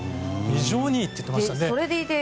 非常にいいと言っていましたね。